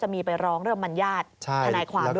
จะมีไปร้องเรื่องบรรญญาติทนายความด้วยค่ะ